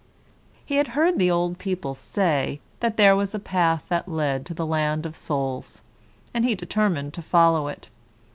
He had heard the old people say, that there was a path that led to the land of souls, and he determined to follow it.